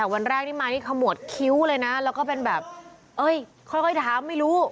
วันแรกนี่มานี่ขมวดคิ้วเลยนะแล้วก็เป็นแบบเอ้ยค่อยถามไม่รู้